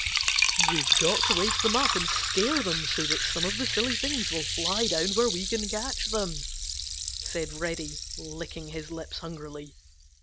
"We've got to wake them up and scare them so that some of the silly things will fly down where we can catch them," said Reddy, licking his lips hungrily.